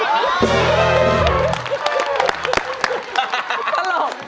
ภาษาลูก